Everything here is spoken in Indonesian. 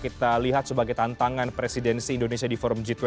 kita lihat sebagai tantangan presidensi indonesia di forum g dua puluh